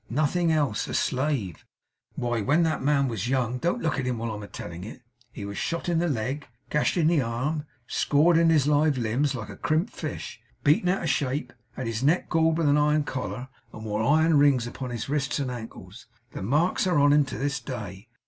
'Nothing else. A slave. Why, when that there man was young don't look at him while I'm a telling it he was shot in the leg; gashed in the arm; scored in his live limbs, like crimped fish; beaten out of shape; had his neck galled with an iron collar, and wore iron rings upon his wrists and ankles. The marks are on him to this day.